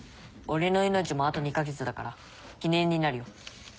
俺の命もあと２カ月だから記念になるよ。